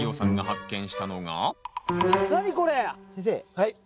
はい。